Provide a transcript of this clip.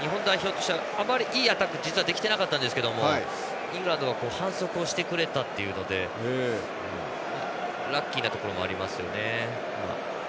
日本代表としてはあまりいいアタック実はできてなかったんですけどもイングランドが反則をしてくれたということでラッキーなところもありますよね。